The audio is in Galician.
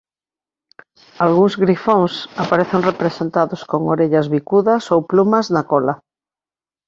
Algúns grifóns aparecen representados con orellas bicudas ou plumas na cola.